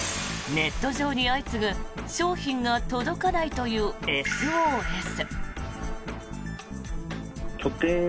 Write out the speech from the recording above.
ネット上に相次ぐ商品が届かないというＳＯＳ。